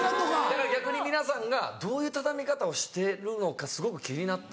だから逆に皆さんがどういう畳み方をしてるのかすごく気になって。